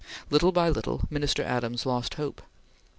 Little by little, Minister Adams lost hope.